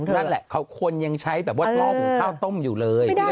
นั่นแหละเขาควรยังใช้หม้อขุมข้าวต้มอยู่เลย